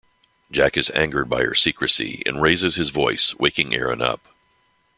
Jack is angered by her secrecy and raises his voice, waking Aaron up.